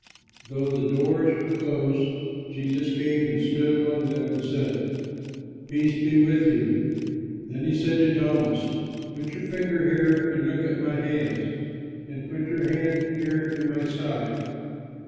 Though the doors were closed, Jesus came and stood among them and said, "Peace be with you." Then he said to Thomas, "Put your finger here and look at my hands, and put your hand here in my side.